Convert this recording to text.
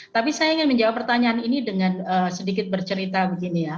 tapi saya ingin menjawab pertanyaan ini dengan sedikit bercerita begini ya